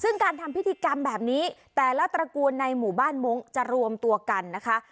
ซึ่งการทำพิธีกรรมแบบนี้แต่ละตระกูลในหมู่บ้านมงค์จะรวมตัวกันนะคะ